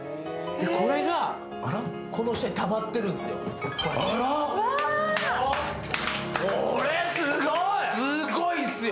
これがこの下にたまってるんですよ。